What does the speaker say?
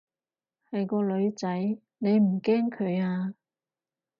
係個女仔，你唔驚佢啊？